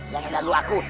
jangan lalu aku